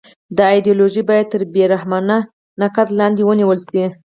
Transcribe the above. دا ایدیالوژي باید تر بې رحمانه نقد لاندې ونیول شي